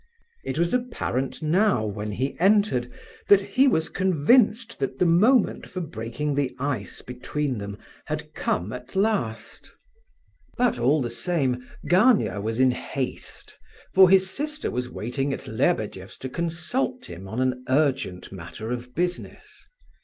It was apparent now, when he entered, that he was convinced that the moment for breaking the ice between them had come at last. But all the same Gania was in haste, for his sister was waiting at Lebedeff's to consult him on an urgent matter of business.